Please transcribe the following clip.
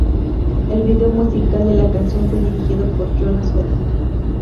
El video musical de la canción fue dirigido por Jonas Odell.